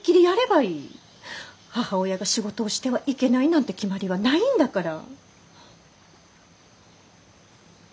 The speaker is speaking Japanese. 母親が仕事をしてはいけないなんて決まりはないんだから。